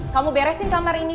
kamu beresin kamar ini